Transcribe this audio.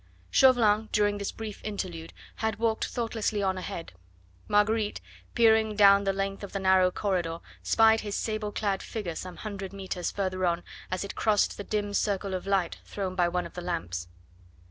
Chauvelin during this brief interlude, had walked thoughtlessly on ahead. Marguerite, peering down the length of the narrow corridor, spied his sable clad figure some hundred metres further on as it crossed the dim circle of light thrown by one of the lamps.